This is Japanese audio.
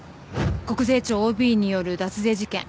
国税庁ＯＢによる脱税事件。